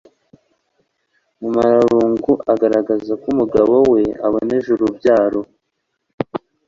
mumararungu agaragaza ko umugabo wey aboneje urubyaro